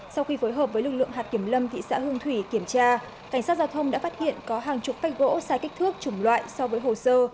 sau khi phối hợp với lực lượng hạt kiểm lâm thị xã hương thủy kiểm tra cảnh sát giao thông đã phát hiện có hàng chục cây gỗ sai kích thước chủng loại so với hồ sơ